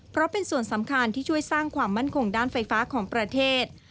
เพราะเป็นส่วนสำคัญที่ช่วยสร้างความมั่นคงด้านไฟฟ้าของประเทศ